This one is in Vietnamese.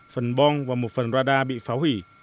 phần bong và một phần radar bị phá hủy